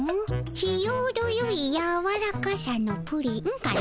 ちょうどよいやわらかさのプリンかの？